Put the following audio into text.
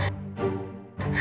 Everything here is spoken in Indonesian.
tidak ada masalah